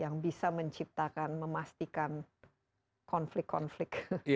yang bisa menciptakan memastikan konflik konflik